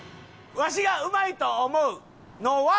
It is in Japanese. わしがうまいと思うのは。